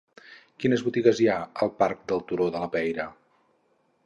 Quines botigues hi ha al parc del Turó de la Peira?